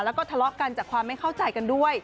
แล้วก็ทะเลาะกันจากความไม่เข้าใจกันด้วย